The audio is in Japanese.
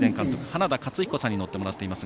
花田勝彦さんに乗ってもらっています。